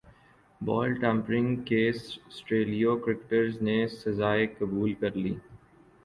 بال tampering case سٹریلوی cricketers نے سزائیں قبول کر لیں